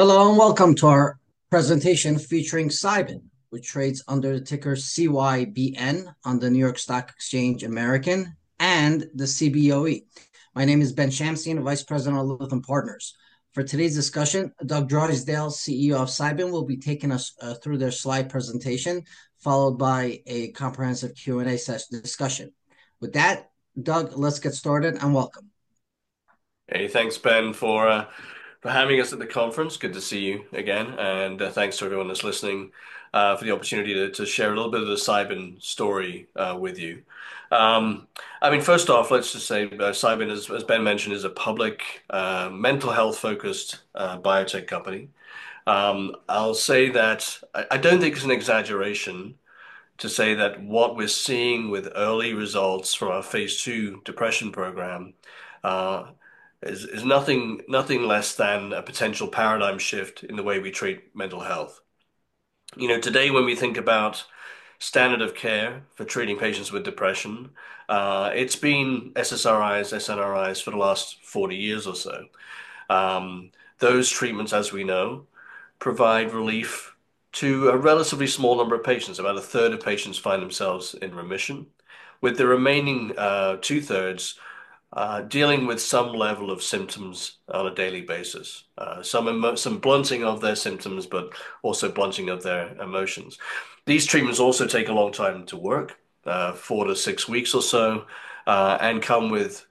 Hello, and welcome to our presentation featuring Cybin, which trades under the ticker CYBN on the New York Stock Exchange American, and the Cboe. My name is Ben Shamsian, Vice President of Lytham Partners. For today's discussion, Doug Drysdale, CEO of Cybin, will be taking us through their slide presentation, followed by a comprehensive Q&A session discussion. With that, Doug, let's get started, and welcome. Hey, thanks, Ben, for having us at the conference. Good to see you again, and thanks to everyone that's listening for the opportunity to share a little bit of the Cybin story with you. I mean, first off, let's just say Cybin, as Ben mentioned, is a public mental health-focused biotech company. I'll say that I don't think it's an exaggeration to say that what we're seeing with early results for our Phase II depression program is nothing less than a potential paradigm shift in the way we treat mental health. Today, when we think about standard of care for treating patients with depression, it's been SSRIs, SNRIs for the last 40 years or so. Those treatments, as we know, provide relief to a relatively small number of patients. About 1/3 of patients find themselves in remission, with the remaining 2/3 dealing with some level of symptoms on a daily basis, some blunting of their symptoms, but also blunting of their emotions. These treatments also take a long time to work, 4-6 weeks or so, and come with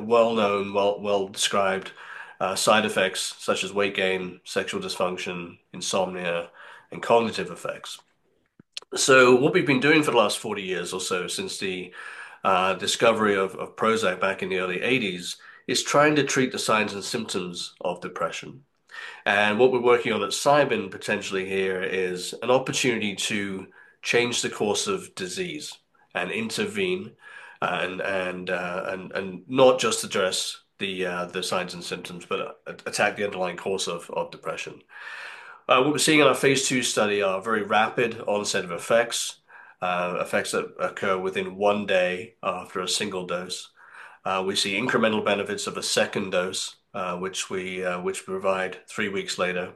well-known, well-described side effects such as weight gain, sexual dysfunction, insomnia, and cognitive effects. So what we've been doing for the last 40 years or so, since the discovery of Prozac back in the early 1980s, is trying to treat the signs and symptoms of depression and what we're working on at Cybin potentially here is an opportunity to change the course of disease and intervene, and not just address the signs and symptoms, but attack the underlying course of depression. What we're seeing in our Phase II study are very rapid onset of effects, effects that occur within one day after a single dose. We see incremental benefits of a second dose, which we provide three weeks later.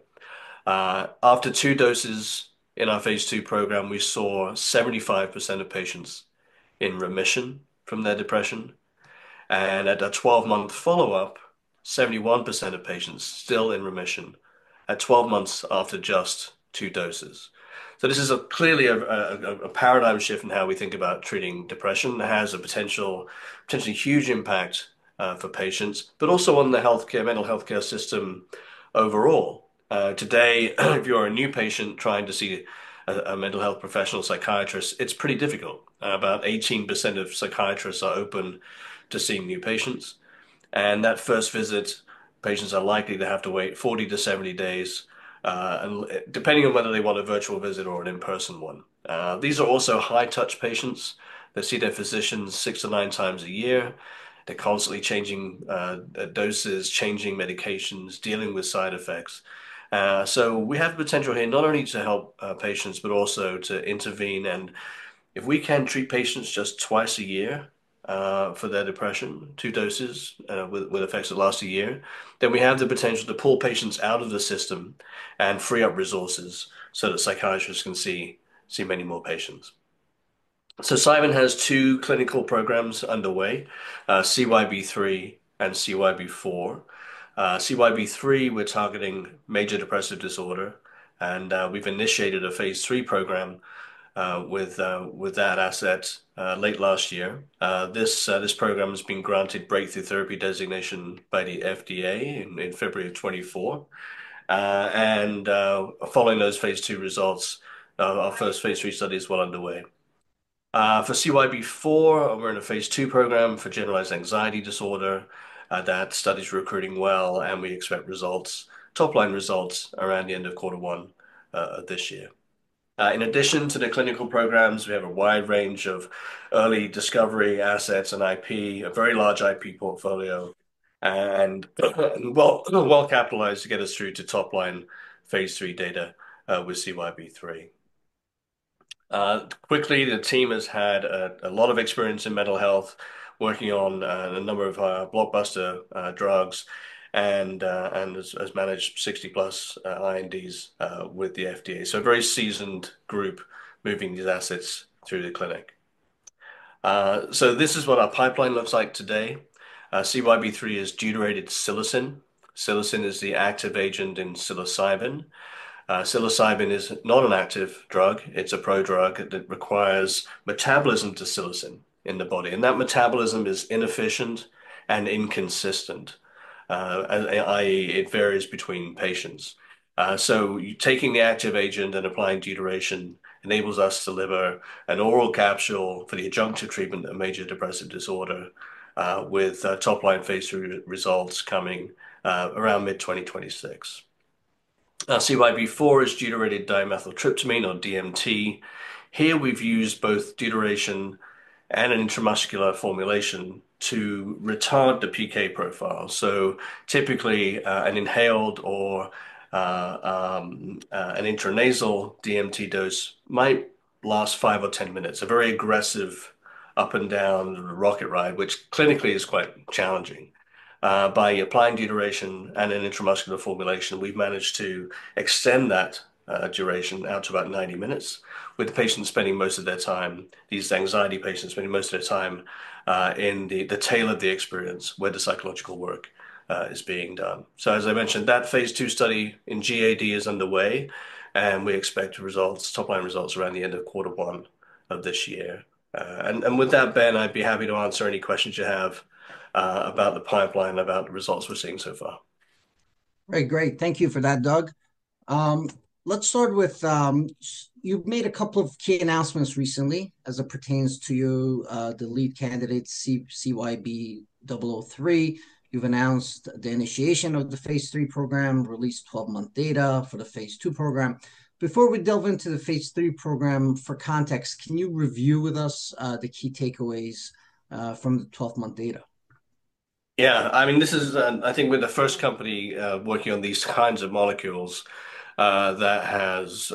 After two doses in our Phase II program, we saw 75% of patients in remission from their depression. At a 12-month follow-up, 71% of patients still in remission at 12 months after just two doses. So this is clearly a paradigm shift in how we think about treating depression. It has a potentially huge impact for patients, but also on the mental health care system overall. Today, if you're a new patient trying to see a mental health professional, psychiatrist, it's pretty difficult. About 18% of psychiatrists are open to seeing new patients. That first visit, patients are likely to have to wait 40-70 days, depending on whether they want a virtual visit or an in-person one. These are also high-touch patients. They see their physician six to nine times a year. They're constantly changing doses, changing medications, dealing with side effects. So we have the potential here not only to help patients, but also to intervene. If we can treat patients just twice a year for their depression, two doses with effects that last a year, then we have the potential to pull patients out of the system and free up resources so that psychiatrists can see many more patients. So Cybin has two clinical programs underway, CYB3 and CYB4. CYB3, we're targeting major depressive disorder and we've initiated a Phase III program with that asset late last year. This program has been granted Breakthrough Therapy designation by the FDA in February of 2024, and following those Phase II results, our first Phase III study is well underway. For CYB4, we're in a Phase II program for generalized anxiety disorder. That study is recruiting well, and we expect top-line results around the end of quarter one this year. In addition to the clinical programs, we have a wide range of early discovery assets and IP, a very large IP portfolio, and well capitalized to get us through to top-line Phase III data with CYB3. Quickly, the team has had a lot of experience in mental health, working on a number of blockbuster drugs, and has managed 60+ INDs with the FDA. So a very seasoned group moving these assets through the clinic, so this is what our pipeline looks like today. CYB3 is deuterated psilocin. Psilocin is the active agent in psilocybin. Psilocybin is not an active drug. It's a prodrug that requires metabolism to psilocin in the body, and that metabolism is inefficient and inconsistent, i.e., it varies between patients, so taking the active agent and applying deuteration enables us to deliver an oral capsule for the adjunctive treatment of major depressive disorder, with top-line Phase III results coming around mid-2026. CYB4 is deuterated dimethyltryptamine, or DMT. Here, we've used both deuteration and an intramuscular formulation to retard the PK profile, so typically, an inhaled or an intranasal DMT dose might last five or 10 minutes, a very aggressive up-and-down rocket ride, which clinically is quite challenging. By applying deuteration and an intramuscular formulation, we've managed to extend that duration out to about 90 minutes, with patients spending most of their time, these anxiety patients spending most of their time in the tail of the experience where the psychological work is being done. So as I mentioned, that Phase II study in GAD is underway, and we expect top-line results around the end of quarter one of this year. With that, Ben, I'd be happy to answer any questions you have about the pipeline, about the results we're seeing so far. All right, great. Thank you for that, Doug. Let's start with you've made a couple of key announcements recently as it pertains to the lead candidate, CYB003. You've announced the initiation of the Phase III program, released 12-month data for the Phase II program. Before we delve into the Phase III program, for context, can you review with us the key takeaways from the 12-month data? Yeah. I mean, this is, I think, we're the first company working on these kinds of molecules that has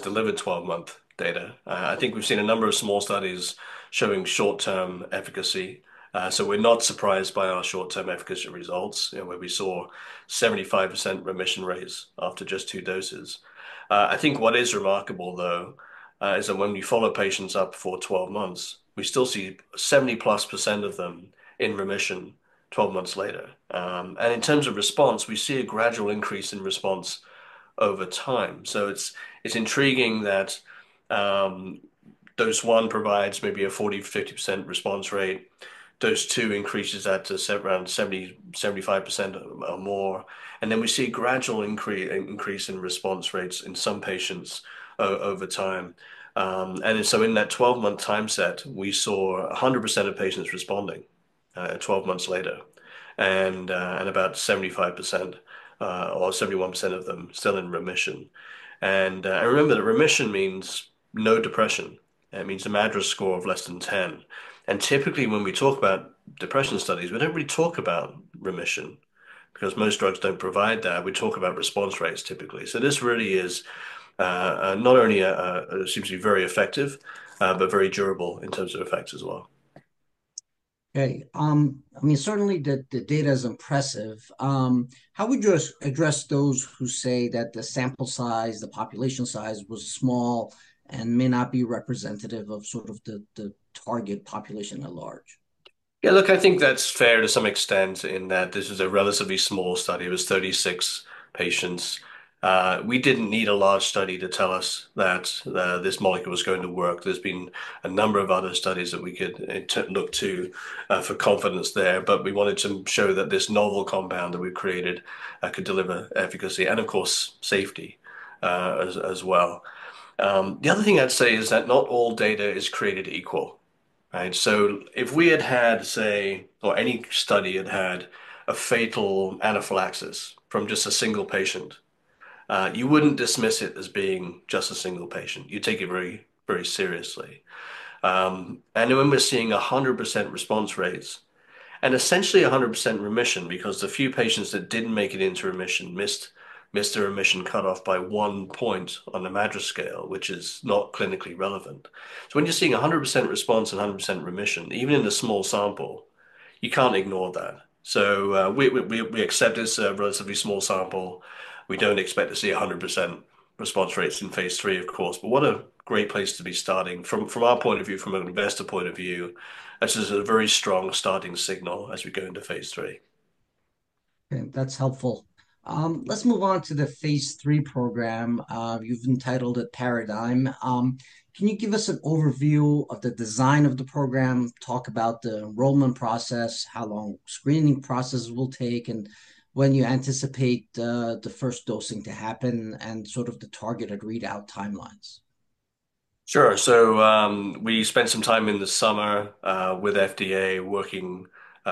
delivered 12-month data. I think we've seen a number of small studies showing short-term efficacy. So we're not surprised by our short-term efficacy results, where we saw 75% remission rates after just two doses. I think what is remarkable, though, is that when we follow patients up for 12 months, we still see 70+ percent of them in remission 12 months later. In terms of response, we see a gradual increase in response over time. So it's intriguing that dose one provides maybe a 40%-50% response rate. Dose two increases that to around 70%-75% or more. Then we see a gradual increase in response rates in some patients over time. So in that 12-month time set, we saw 100% of patients responding 12 months later, and about 75% or 71% of them still in remission. I remember that remission means no depression. It means a MADRS score of less than 10. Typically, when we talk about depression studies, we don't really talk about remission because most drugs don't provide that. We talk about response rates, typically. So this really is not only seems to be very effective, but very durable in terms of effects as well. Okay. I mean, certainly, the data is impressive. How would you address those who say that the sample size, the population size was small and may not be representative of sort of the target population at large? Yeah, look, I think that's fair to some extent in that this is a relatively small study. It was 36 patients. We didn't need a large study to tell us that this molecule was going to work. There's been a number of other studies that we could look to for confidence there. But we wanted to show that this novel compound that we've created could deliver efficacy and, of course, safety as well. The other thing I'd say is that not all data is created equal. So if we had had, say, or any study had had a fatal anaphylaxis from just a single patient, you wouldn't dismiss it as being just a single patient. You take it very, very seriously. When we're seeing 100% response rates and essentially 100% remission because the few patients that didn't make it into remission missed a remission cutoff by one point on the MADRS scale, which is not clinically relevant. When you're seeing 100% response and 100% remission, even in a small sample, you can't ignore that. We accept it's a relatively small sample. We don't expect to see 100% response rates in Phase III, of course. What a great place to be starting. From our point of view, from an investor point of view, this is a very strong starting signal as we go into Phase III. Okay. That's helpful. Let's move on to the Phase III program. You've entitled it Paradigm. Can you give us an overview of the design of the program, talk about the enrollment process, how long the screening process will take, and when you anticipate the first dosing to happen, and sort of the targeted readout timelines? Sure. So we spent some time in the summer with FDA working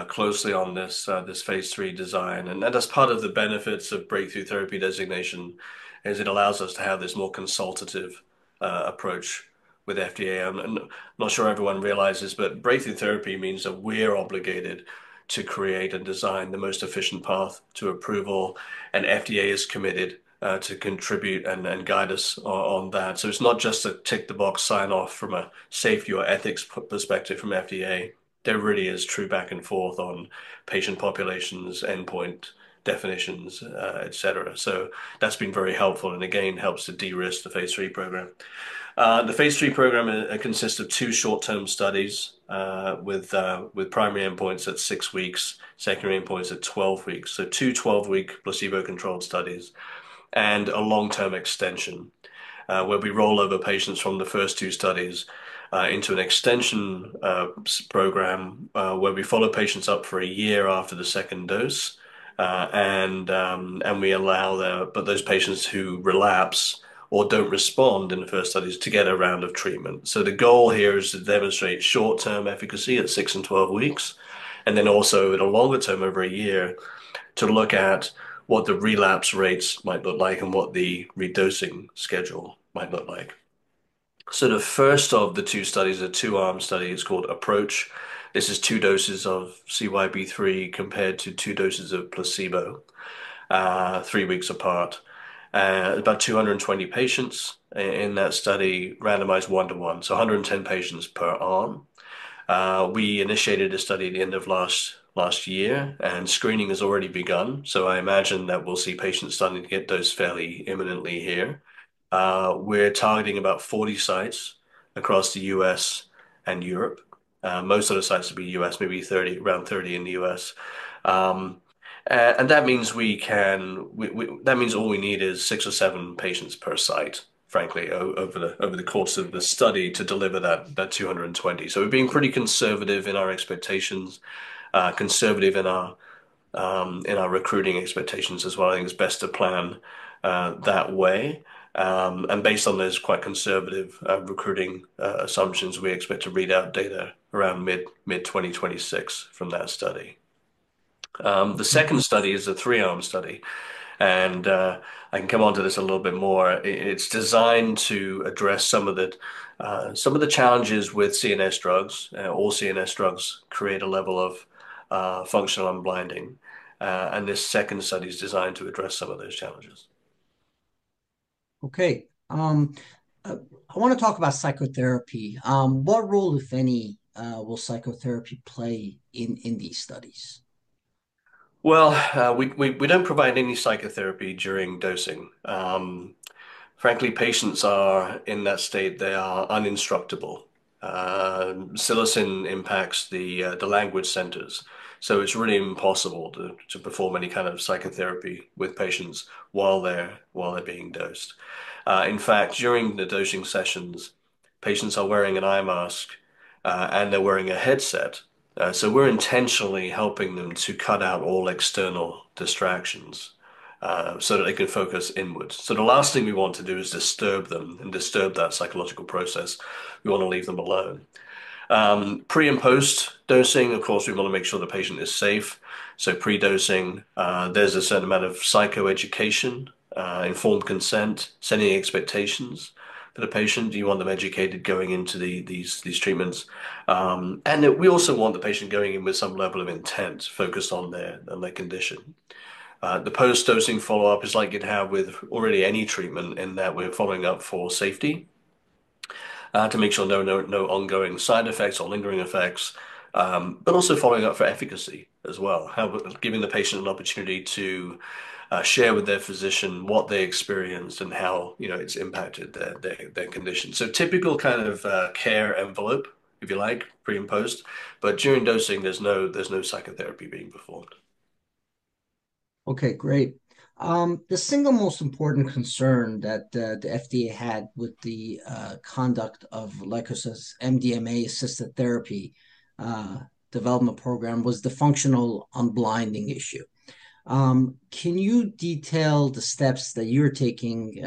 closely on this Phase III design and that's part of the benefits of Breakthrough Therapy designation, is it allows us to have this more consultative approach with FDA. I'm not sure everyone realizes, but Breakthrough Therapy means that we're obligated to create and design the most efficient path to approval. FDA is committed to contribute and guide us on that. So it's not just a tick-the-box sign-off from a safety or ethics perspective from FDA. There really is true back and forth on patient populations, endpoint definitions, etc. So that's been very helpful and again, helps to de-risk the Phase III program. The Phase III program consists of two short-term studies with primary endpoints at six weeks, secondary endpoints at 12 weeks. Two 12-week placebo-controlled studies and a long-term extension where we roll over patients from the first two studies into an extension program where we follow patients up for a year after the second dose. We allow those patients who relapse or don't respond in the first studies to get a round of treatment. The goal here is to demonstrate short-term efficacy at six and 12 weeks, and then also at a longer term over a year to look at what the relapse rates might look like and what the redosing schedule might look like. The first of the two studies is a two-arm study. It's called Approach. This is two doses of CYB3 compared to two doses of placebo three weeks apart. About 220 patients in that study, randomized one-to-one. 110 patients per arm. We initiated a study at the end of last year, and screening has already begun, so I imagine that we'll see patients starting to get dosed fairly imminently here. We're targeting about 40 sites across the U.S. and Europe. Most of the sites will be U.S., maybe around 30 in the U.S., and that means all we need is six or seven patients per site, frankly, over the course of the study to deliver that 220, so we've been pretty conservative in our expectations, conservative in our recruiting expectations as well. I think it's best to plan that way, and based on those quite conservative recruiting assumptions, we expect to read out data around mid-2026 from that study. The second study is a three-arm study, and I can come on to this a little bit more. It's designed to address some of the challenges with CNS drugs. All CNS drugs create a level of functional unblinding, and this second study is designed to address some of those challenges. Okay. I want to talk about psychotherapy. What role, if any, will psychotherapy play in these studies? We don't provide any psychotherapy during dosing. Frankly, patients are in that state. They are uninstructable. Psilocin impacts the language centers. It's really impossible to perform any kind of psychotherapy with patients while they're being dosed. In fact, during the dosing sessions, patients are wearing an eye mask, and they're wearing a headset. We're intentionally helping them to cut out all external distractions so that they can focus inwards. The last thing we want to do is disturb them and disturb that psychological process. We want to leave them alone. Pre and post-dosing, of course, we want to make sure the patient is safe. Pre-dosing, there's a certain amount of psychoeducation, informed consent, setting expectations for the patient. You want them educated going into these treatments. We also want the patient going in with some level of intent focused on their condition. The post-dosing follow-up is like you'd have with really any treatment in that we're following up for safety to make sure no ongoing side effects or lingering effects, but also following up for efficacy as well, giving the patient an opportunity to share with their physician what they experienced and how it's impacted their condition, so typical kind of care envelope, if you like, pre and post, but during dosing, there's no psychotherapy being performed. Okay, great. The single most important concern that the FDA had with the conduct of MDMA-assisted therapy development program was the functional unblinding issue. Can you detail the steps that you're taking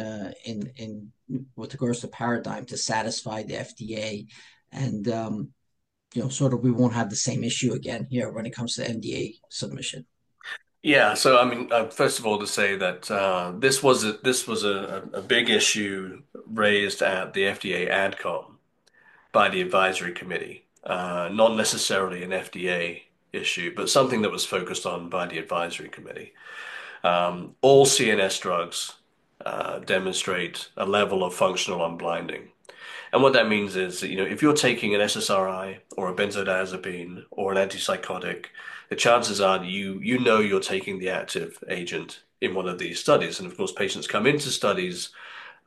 with regards to Paradigm to satisfy the FDA and sort of we won't have the same issue again here when it comes to NDA submission? Yeah. So I mean, first of all, to say that this was a big issue raised at the FDA AdCom by the advisory committee, not necessarily an FDA issue, but something that was focused on by the advisory committee. All CNS drugs demonstrate a level of functional unblinding and what that means is if you're taking an SSRI or a benzodiazepine or an antipsychotic, the chances are you know you're taking the active agent in one of these studies. Of course, patients come into studies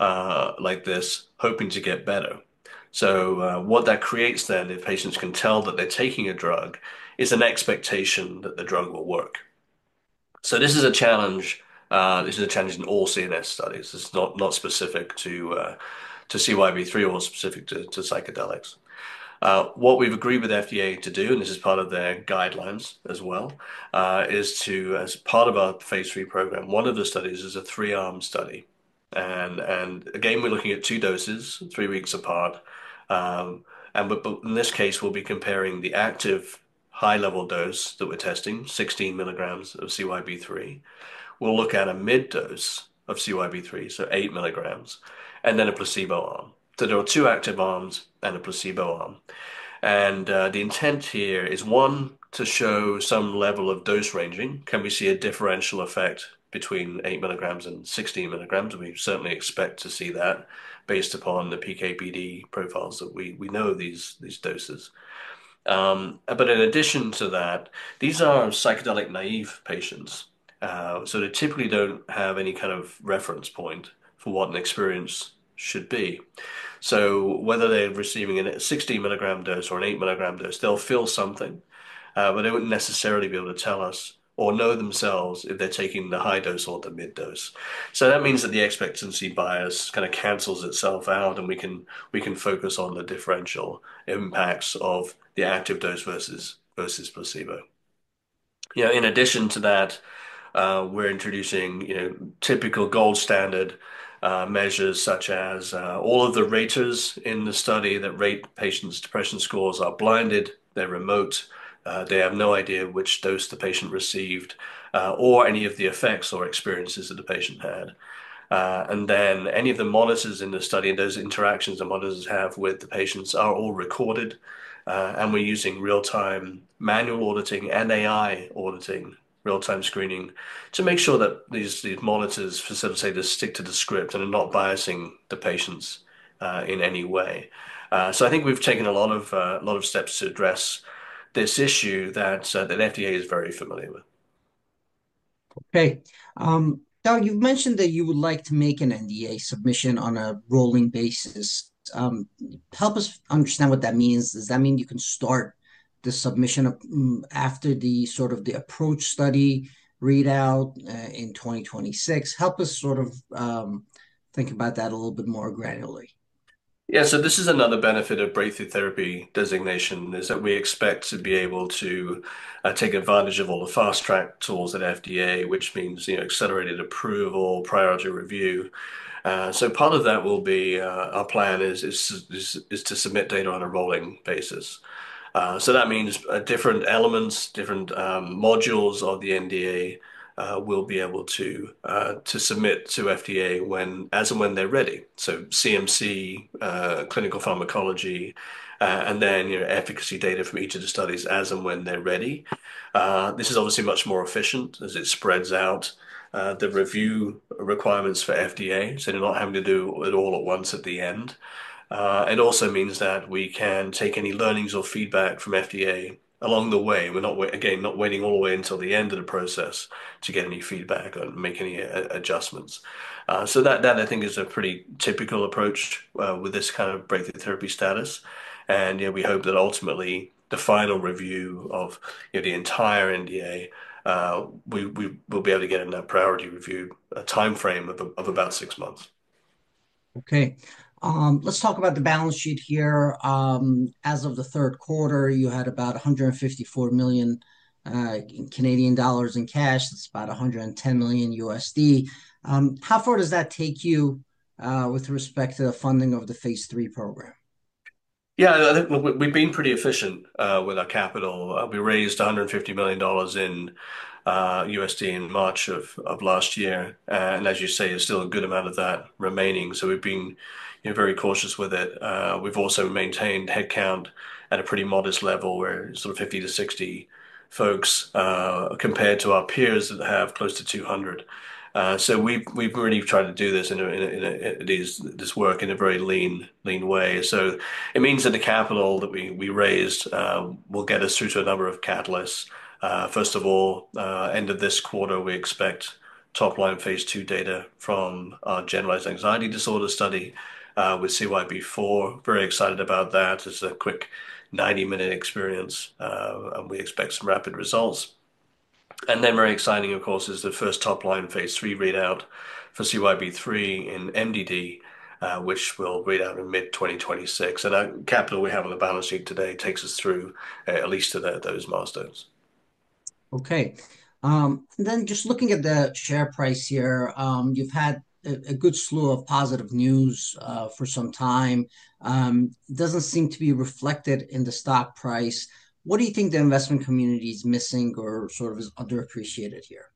like this hoping to get better. So what that creates then, if patients can tell that they're taking a drug, is an expectation that the drug will work. So this is a challenge. This is a challenge in all CNS studies. It's not specific to CYB3 or specific to psychedelics. What we've agreed with the FDA to do, and this is part of their guidelines as well, is to, as part of our Phase III program, one of the studies is a three-arm study. Again, we're looking at two doses, three weeks apart. In this case, we'll be comparing the active high-level dose that we're testing, 16 milligrams of CYB3. We'll look at a mid-dose of CYB3, so eight milligrams, and then a placebo arm. So there are two active arms and a placebo arm. The intent here is, one, to show some level of dose ranging. Can we see a differential effect between eight milligrams and 16 milligrams? We certainly expect to see that based upon the PK/PD profiles that we know these doses. But in addition to that, these are psychedelic naive patients. So they typically don't have any kind of reference point for what an experience should be. So whether they're receiving a 16-milligram dose or an eight-milligram dose, they'll feel something, but they wouldn't necessarily be able to tell us or know themselves if they're taking the high dose or the mid-dose. So that means that the expectancy bias kind of cancels itself out, and we can focus on the differential impacts of the active dose versus placebo. In addition to that, we're introducing typical gold standard measures such as all of the raters in the study that rate patients' depression scores are blinded. They're remote. They have no idea which dose the patient received or any of the effects or experiences that the patient had. Then any of the monitors in the study and those interactions the monitors have with the patients are all recorded and we're using real-time manual auditing and AI auditing, real-time screening to make sure that these monitors facilitate to stick to the script and are not biasing the patients in any way. So I think we've taken a lot of steps to address this issue that the FDA is very familiar with. Okay. Doug, you've mentioned that you would like to make an NDA submission on a rolling basis. Help us understand what that means. Does that mean you can start the submission after the sort of Approach study readout in 2026? Help us sort of think about that a little bit more gradually. Yeah, so this is another benefit of Breakthrough Therapy designation, is that we expect to be able to take advantage of all the fast-track tools at FDA, which means accelerated approval, priority review, so part of that will be our plan is to submit data on a rolling basis, so that means different elements, different modules of the NDA will be able to submit to FDA as and when they're ready, so CMC, clinical pharmacology, and then efficacy data from each of the studies as and when they're ready. This is obviously much more efficient as it spreads out the review requirements for FDA, so they're not having to do it all at once at the end. It also means that we can take any learnings or feedback from FDA along the way. We're not, again, not waiting all the way until the end of the process to get any feedback and make any adjustments. So that, I think, is a pretty typical approach with this kind of Breakthrough Therapy status and we hope that ultimately, the final review of the entire NDA, we will be able to get in that priority review timeframe of about six months. Okay. Let's talk about the balance sheet here. As of the third quarter, you had about 154 million Canadian dollars in cash. That's about $110 million. How far does that take you with respect to the funding of the Phase III program? Yeah. We've been pretty efficient with our capital. We raised $150 million USD in March of last year and as you say, there's still a good amount of that remaining. So we've been very cautious with it. We've also maintained headcount at a pretty modest level where it's sort of 50-60 folks compared to our peers that have close to 200. So we've really tried to do this work in a very lean way. So it means that the capital that we raised will get us through to a number of catalysts. First of all, end of this quarter, we expect top-line Phase II data from our generalized anxiety disorder study with CYB4. Very excited about that. It's a quick 90-minute experience, and we expect some rapid results. Then very exciting, of course, is the first top-line Phase III readout for CYB3 in MDD, which will readout in mid-2026 and the capital we have on the balance sheet today takes us through at least those milestones. Okay. Then just looking at the share price here, you've had a good slew of positive news for some time. Doesn't seem to be reflected in the stock price. What do you think the investment community is missing or sort of is underappreciated here?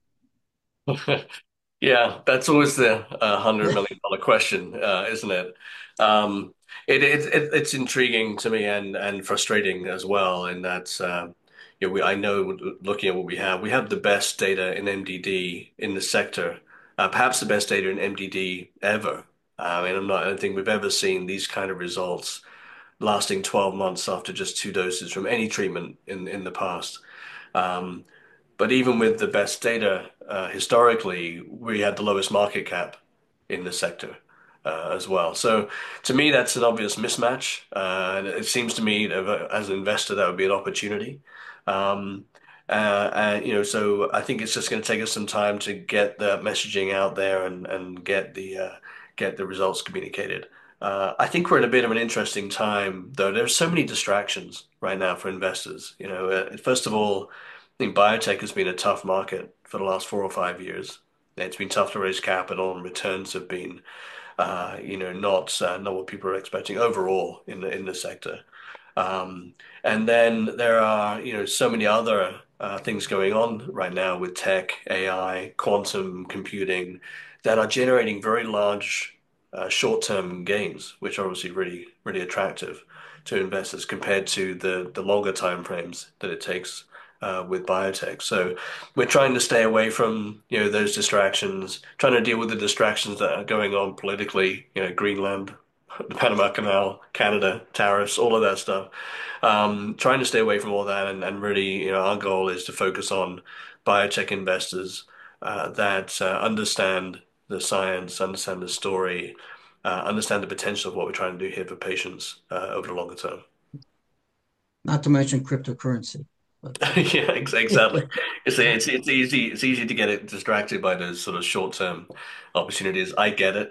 Yeah. That's always the $100 million question, isn't it? It's intriguing to me and frustrating as well in that I know looking at what we have, we have the best data in MDD in the sector, perhaps the best data in MDD ever. I mean, I don't think we've ever seen these kind of results lasting 12 months after just two doses from any treatment in the past. But even with the best data historically, we had the lowest market cap in the sector as well. So to me, that's an obvious mismatch. It seems to me, as an investor, that would be an opportunity. So I think it's just going to take us some time to get the messaging out there and get the results communicated. I think we're in a bit of an interesting time, though. There are so many distractions right now for investors. First of all, biotech has been a tough market for the last four or five years. It's been tough to raise capital, and returns have been not what people are expecting overall in the sector. Then there are so many other things going on right now with tech, AI, quantum computing that are generating very large short-term gains, which are obviously really attractive to investors compared to the longer timeframes that it takes with biotech. So we're trying to stay away from those distractions, trying to deal with the distractions that are going on politically: Greenland, the Panama Canal, Canada, tariffs, all of that stuff. Trying to stay away from all that and really, our goal is to focus on biotech investors that understand the science, understand the story, understand the potential of what we're trying to do here for patients over the longer term. Not to mention cryptocurrency. Yeah, exactly. It's easy to get distracted by those sort of short-term opportunities. I get it.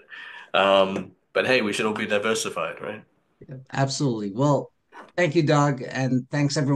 But hey, we should all be diversified, right? Absolutely. Well, thank you, Doug, and thanks everyone.